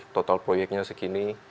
total proyeknya segini